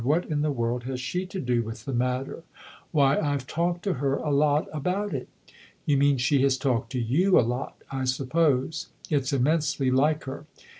" What in the world has she to do with the matter ?"" Why I've talked to her a lot about it." " You mean she has talked to you a lot, I suppose. It's immensely like her."